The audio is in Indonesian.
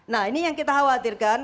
nah ini yang kita khawatirkan